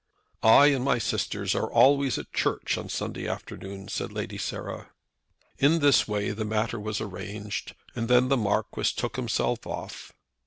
"I and my sisters are always at Church on Sunday afternoons," said Lady Sarah. In this way the matter was arranged, and then the Marquis took himself off.